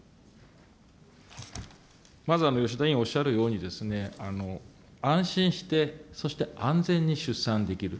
まず吉田委員、おっしゃるようにですね、安心して、そして安全に出産できる。